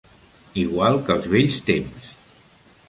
Igual que els vells temps.